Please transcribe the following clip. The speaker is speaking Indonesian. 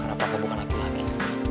karena papa bukan laki laki